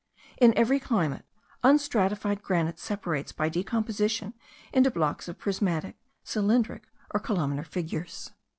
In every climate, unstratified granite separates by decomposition into blocks of prismatic, cylindric, or columnar figures.